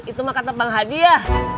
itu mah kata bang haji ya